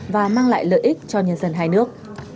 và mang lại lợi ích cho nhân dân hai nước